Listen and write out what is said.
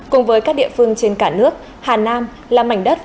cùng với các địa phương trên cả nước hà nam là mảnh đất